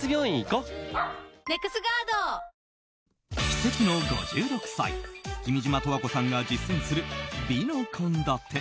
奇跡の５６歳君島十和子さんが実践する美の献立。